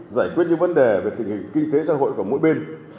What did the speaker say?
giải quyết những vấn đề về tình hình kinh tế xã hội của mỗi bên